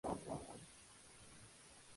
Es perteneciente al estilo Pop Rock.